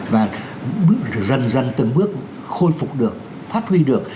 và dần dần từng bước khôi phục được phát huy được